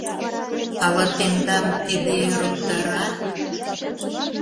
Ала тендам тиде ӧрыктара?